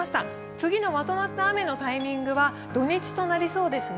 次のまとまった雨のタイミングは土日となりそうですね。